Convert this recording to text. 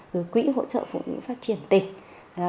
từ quỹ hỗ trợ phụ nữ phát triển tỉnh